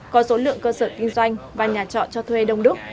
có số lượng cơ sở kinh doanh và nhà trọ cho thuê đông đúc